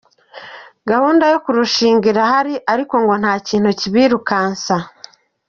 Gahunda yo kurushinga irahari ariko ngo ntakintu kibirukansa.